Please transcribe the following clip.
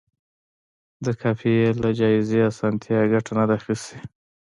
د قافیې له جائزې اسانتیا یې ګټه نه ده اخیستې.